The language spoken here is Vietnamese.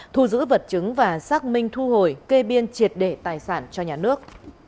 thu giữ vật chứng và xác minh thu hồi kê biên triệt để tài sản cho nhà nước